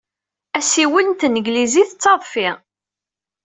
Assiwel n tanglizit d tadfi.